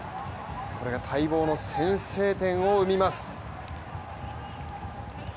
これが待望の先制点を生みます。